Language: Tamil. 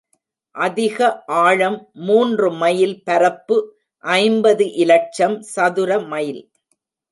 அதிக ஆழம் மூன்று மைல் பரப்பு ஐம்பது இலட்சம் சதுர மைல்.